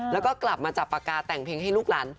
แล้วก็กลับมาจับปากกาแต่งเพลงให้ลูกหลาน